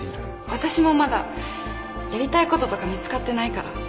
私もまだやりたいこととか見つかってないから